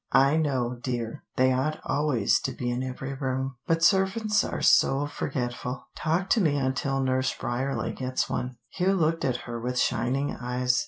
"I know, dear. They ought always to be in every room. But servants are so forgetful. Talk to me until Nurse Bryerley gets one." Hugh looked at her with shining eyes.